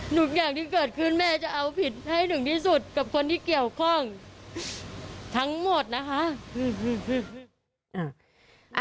ทุกอย่างที่เกิดขึ้นแม่จะเอาผิดให้ถึงที่สุดกับคนที่เกี่ยวข้องทั้งหมดนะคะ